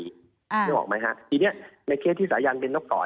ไม่รู้หรือไหมฮะทีนี้ในเคสที่สายันเป็นนกก่อน